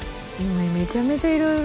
めちゃめちゃいろいろ。